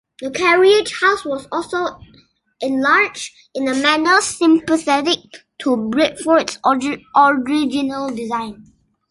The carriage house was also enlarged, in a manner sympathetic to Bradford's original design.